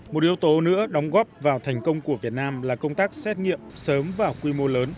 một yếu tố nữa đóng góp vào thành công của việt nam là công tác xét nghiệm